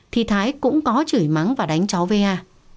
thì thái cũng có chửi mắng và đánh cháu va